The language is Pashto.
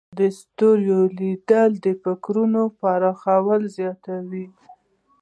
د ستورو لیدل د فکرونو پراخوالی زیاتوي.